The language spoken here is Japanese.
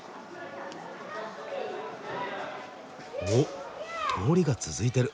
お通りが続いてる。